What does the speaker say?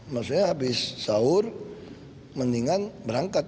maksudnya habis sahur mendingan berangkat